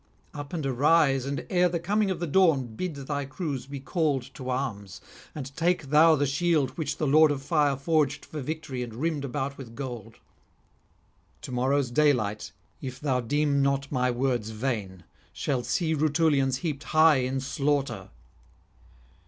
Up and arise, and ere the coming of the Dawn bid thy crews be called to arms; and take thou the shield which the Lord of Fire forged for victory and rimmed about with gold. To morrow's daylight, if thou deem not my words vain, shall see Rutulians heaped high in slaughter.'